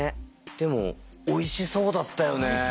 でもおいしそうだったよね。